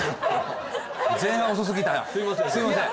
すいません